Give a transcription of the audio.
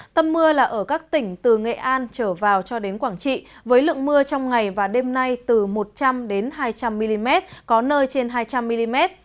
tâm mưa là ở các tỉnh từ nghệ an trở vào cho đến quảng trị với lượng mưa trong ngày và đêm nay từ một trăm linh hai trăm linh mm có nơi trên hai trăm linh mm